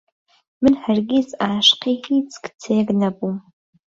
من هەرگیز عاشقی هیچ کچێک نەبووم.